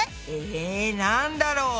えなんだろう？